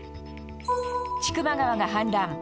千曲川が氾濫。